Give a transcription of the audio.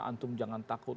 antum jangan takut